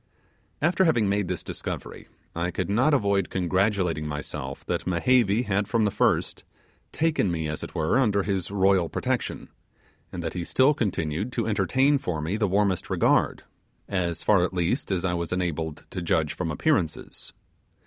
After having made this discovery I could not avoid congratulating myself that Mehevi had from the first taken me as it were under his royal protection, and that he still continued to entertain for me the warmest regard, as far at least as I was enabled to judge from appearances.